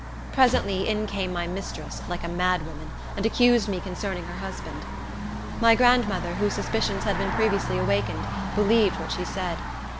Presently, in came my mistress, like a mad woman, and accused me concerning her husband. My grandmother, whose suspicions had been previously awakened, believed what she said.